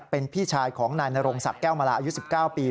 เป็นพี่ชายของนายนรงศักดิ์แก้วมาลาอายุ๑๙ปี